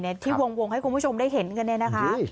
ที่วงให้คุณผู้ชมได้เห็นกันเนี่ยนะคะ